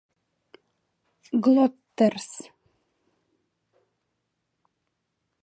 — Глоттерс!